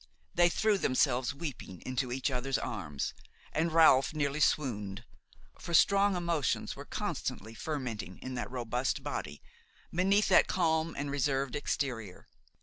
They threw themselves weeping into each other's arms, and Ralph nearly swooned; for strong emotions were constantly fermenting in that robust body, beneath that calm and reserved exterior.